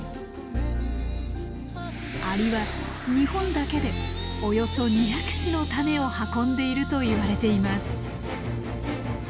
アリは日本だけでおよそ２００種のタネを運んでいるといわれています。